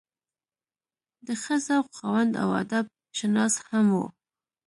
د ښۀ ذوق خاوند او ادب شناس هم وو